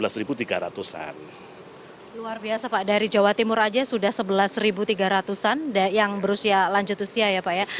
luar biasa pak dari jawa timur saja sudah sebelas tiga ratus an yang berusia lanjut usia ya pak ya